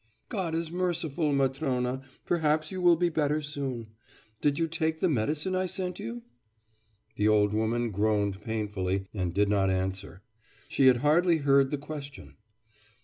'God is merciful, Matrona; perhaps you will be better soon. Did you take the medicine I sent you?' The old woman groaned painfully, and did not answer. She had hardly heard the question.